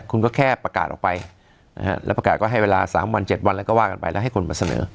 คุณก็แค่ประกาศออกไปนะฮะแล้วประกาศก็ให้เวลา๓วัน๗วันแล้วก็ว่ากันไปแล้วให้คนมาเสนอ